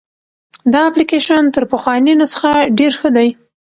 دا اپلیکیشن تر پخواني نسخه ډېر ښه دی.